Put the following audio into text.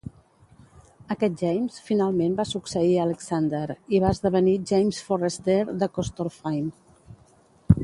Aquest James finalment va succeir a Alexander i va esdevenir James Forrester de Corstorphine.